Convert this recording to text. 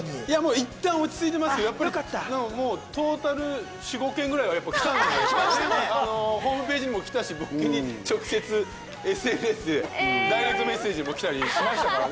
いったん落ち着いてますけどやっぱりトータル４５件ぐらいは来たホームページにも来たし僕に直接ＳＮＳでダイレクトメッセージも来たりしましたからね。